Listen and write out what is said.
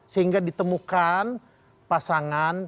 sehingga ditemukan pasangan